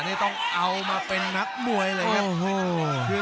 นี่ต้องเอามาเป็นนักมวยเลยครับ